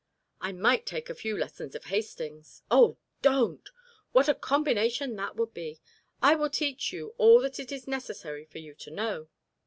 I might take a few lessons of Hastings " "Oh, don't! What a combination that would be! I will teach you all that it is necessary for you to know."